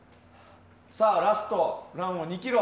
さあラスト、ランを２ｋｍ。